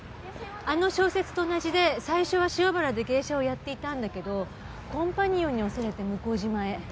あの小説と同じで最初は塩原で芸者をやっていたんだけどコンパニオンに推されて向島へ。